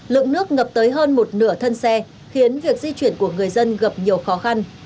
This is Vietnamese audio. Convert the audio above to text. lượng nước ngập tới hơn một nửa thân xe khiến việc di chuyển của người dân gặp nhiều khó khăn